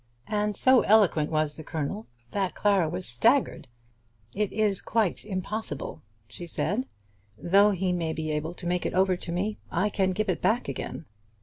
And so eloquent was the Colonel that Clara was staggered, though she was not convinced. "It is quite impossible," she said. "Though he may be able to make it over to me, I can give it back again."